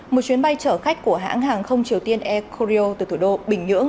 một chuyến bay chở khách của hãng hàng không triều tiên air korea từ thủ đô bình nhưỡng